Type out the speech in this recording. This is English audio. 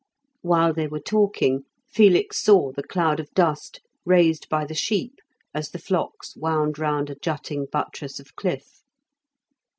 While they were talking, Felix saw the cloud of dust raised by the sheep as the flocks wound round a jutting buttress of cliff.